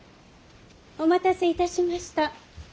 お待たせいたしました。